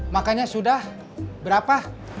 makanya sudah berapa